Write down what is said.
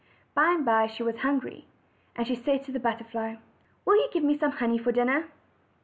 By and by she was hungry, and she said to the butter fly: "Will you give me some honey for dinner?"